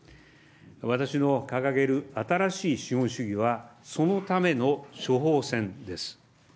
私の掲げる新しい資本主義は、そのための処方箋です。